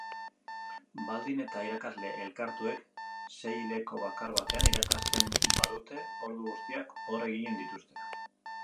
Baldin eta irakasle elkartuek seihileko bakar batean irakasten badute, ordu guztiak hor eginen dituzte.